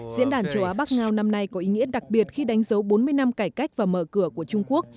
diễn đàn châu á bắc ngao năm nay có ý nghĩa đặc biệt khi đánh dấu bốn mươi năm cải cách và mở cửa của trung quốc